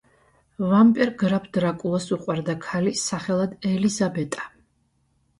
ვამპირ გრაფ დრაკულას უყვარდა ქალი, სახელად ელიზაბეტა.